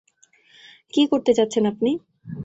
কী করতে চাচ্ছেন আপনি?